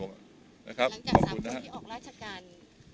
หลังจาก๓ปีที่ออกราชการไปแล้วมีเพิ่มเติมบ้างนะครับ